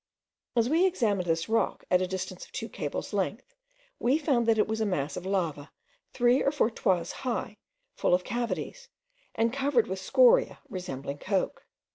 As we examined this rock at the distance of two cables' length, we found that it was a mass of lava three or four toises high, full of cavities, and covered with scoriae resembling coke.